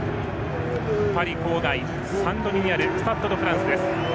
パリ郊外サンドニにあるスタッド・ド・フランスです。